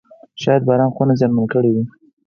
شاید باران خونه زیانمنه کړې وي.